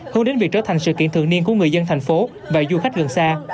hướng đến việc trở thành sự kiện thường niên của người dân thành phố và du khách gần xa